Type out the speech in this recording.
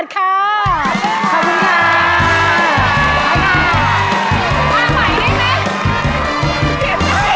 มีความไหวได้ไหม